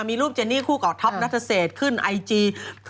มีรูปเจนนี่คู่กับท็อปนัทเศษขึ้นไอจี